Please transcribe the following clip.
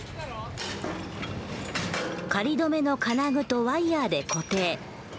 仮留めの金具とワイヤーで固定。